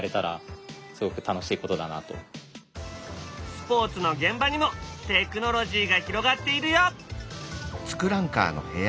スポーツの現場にもテクノロジーが広がっているよ。